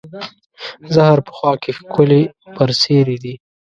زهر په خوا کې، ښکلې برسېرې دي